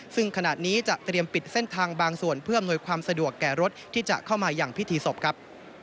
ซึ่งขณะนี้จะเตรียมปิดเส้นทางบางส่วนเพื่ออำนวยความสะดวกแก่รถที่จะเข้ามาอย่างพิธีศพครับ